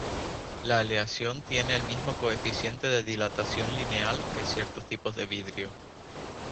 La aleación tiene el mismo coeficiente de dilatación lineal que ciertos tipos de vidrio.